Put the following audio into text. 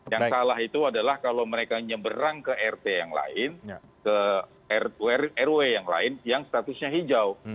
yang salah itu adalah kalau mereka nyeberang ke rt yang lain ke rw yang lain yang statusnya hijau